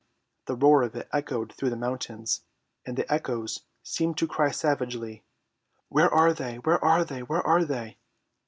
The roar of it echoed through the mountains, and the echoes seemed to cry savagely, "Where are they, where are they, where are they?"